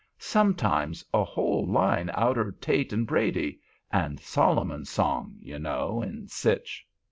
"Sometimes a whole line outer Tate and Brady—and Solomon's Song, you know, and sich."